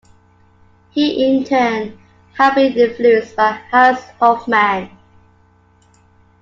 He in turn had been influenced by Hans Hofmann.